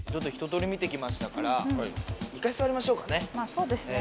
そうですね。